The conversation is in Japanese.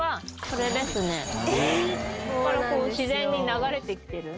ここから自然に流れてきてる。